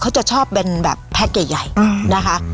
เขาจะชอบเป็นแบบแพ็คใหญ่นะคะ